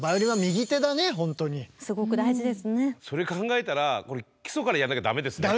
それ考えたらこれ基礎からやんなきゃダメですね。